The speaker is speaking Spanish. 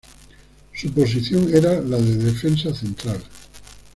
Su posición era la de defensa central.